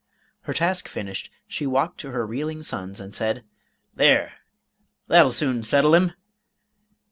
Her task finished, she walked to her reeling sons, and said, "There, that'll soon settle him!